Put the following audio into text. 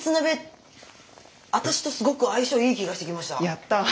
やったぁ。